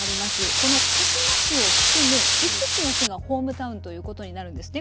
この鹿嶋市を含む５つの市がホームタウンということになるんですね。